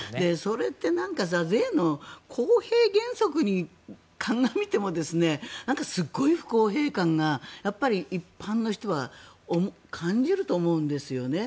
それって税の公平原則に鑑みてもすごい不公平感がやっぱり一般の人は感じると思うんですね。